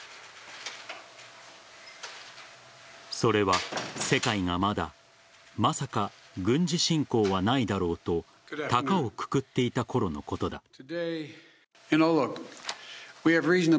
それは世界がまだまさか軍事侵攻はないだろうと高をくくっていたころのことだ。